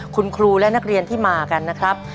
คุณครูและนักเรียนที่มากันนะครับ